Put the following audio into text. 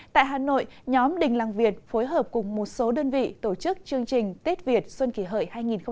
tại hà nội nhóm đình làng việt phối hợp cùng một số đơn vị tổ chức chương trình tết việt xuân kỷ hợi hai nghìn một mươi chín